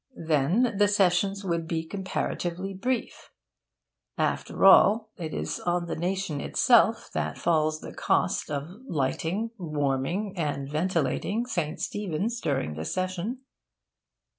Then the sessions would be comparatively brief. After all, it is on the nation itself that falls the cost of lighting, warming, and ventilating St. Stephen's during the session.